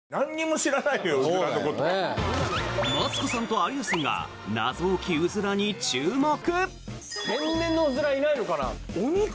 マツコさんと有吉さんが謎多きウズラに注目！